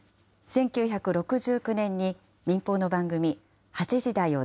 １９６９年に民放の番組、８時だョ！